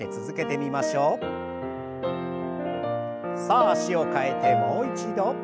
さあ脚を替えてもう一度。